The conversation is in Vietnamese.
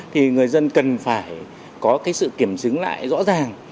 thì người dân cần phải có cái sự kiểm chứng lại rõ ràng